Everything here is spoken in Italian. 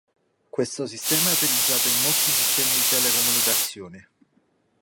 Questo sistema è utilizzato in molti sistemi di telecomunicazioni.